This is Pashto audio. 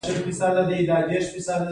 احمد بیا سړې سړې خبرې کوي.